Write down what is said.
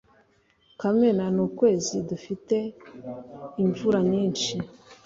Kamena ni ukwezi dufite imvura nyinshi